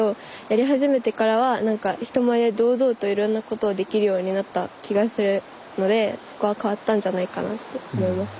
やり始めてからは人前で堂々といろんなことをできるようになった気がするのでそこは変わったんじゃないかなって思います。